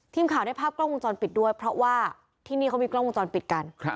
ทีมข่าวได้ภาพกล้องวงจรปิดด้วยเพราะว่าที่นี่เขามีกล้องวงจรปิดกัน